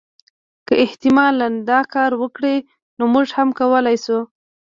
که احتمالا دا کار وکړي نو موږ هم کولای شو.